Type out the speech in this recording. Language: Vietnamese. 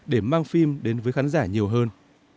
để mang phim đến với khán giả nhiều hơn